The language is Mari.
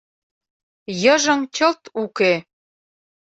— Йыжыҥ чылт уке.